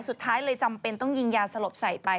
สุดท้ายเลยจำเป็นต้องยิงยาสลบใส่ไป